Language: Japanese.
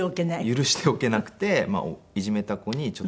許しておけなくていじめた子にちょっと言ったりとか。